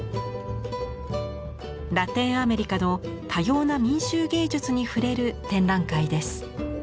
ラテンアメリカの多様な民衆芸術に触れる展覧会です。